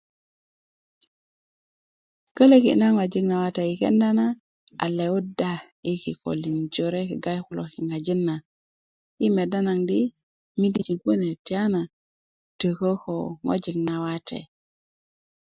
Kölöki' na ŋojik nawate yi kenda na lewudda yi kikolin jore kegga yi kulo kiŋajin na i medda di midijin kune tiyana tökö ko ŋojik na wate